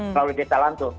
kalau di desa lanto